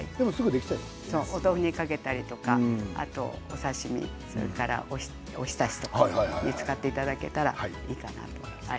お豆腐にかけたりとかあとは、お刺身、お浸しとかに使っていただければいいかなと思います。